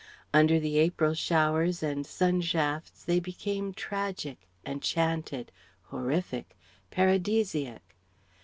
Under the April showers and sun shafts they became tragic, enchanted, horrific, paradisiac.